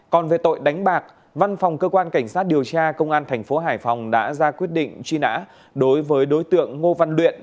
còn về tội đánh bạc văn phòng cơ quan cảnh sát điều tra công an thành phố hải phòng đã ra quyết định truy nã đối với đối tượng ngô văn luyện